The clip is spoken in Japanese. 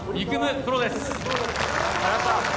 プロです。